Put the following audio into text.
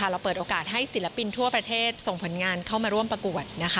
เปิดโอกาสให้ศิลปินทั่วประเทศส่งผลงานเข้ามาร่วมประกวด